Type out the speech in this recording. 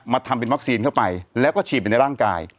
ทำเป็นวัคซีนเข้าไปแล้วก็ฉีดไปในร่างกาย